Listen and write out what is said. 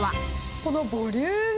このボリューム！